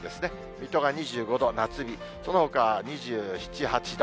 水戸が２５度、夏日、そのほか２７、８度。